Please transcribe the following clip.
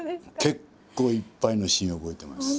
結構いっぱいのシーン覚えてます。